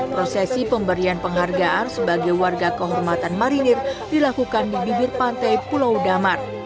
prosesi pemberian penghargaan sebagai warga kehormatan marinir dilakukan di bibir pantai pulau damar